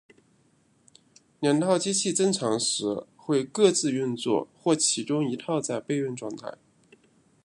两套机器正常时会各自运作或其中一套在备用状态。